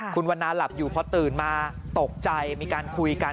คุณวันนาหลับอยู่พอตื่นมาตกใจมีการคุยกัน